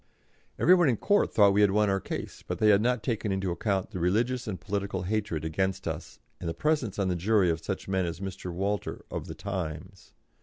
Every one in court thought that we had won our case, but they had not taken into account the religious and political hatred against us and the presence on the jury of such men as Mr. Walter, of the Times.